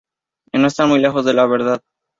Y no están muy lejos de la verdad.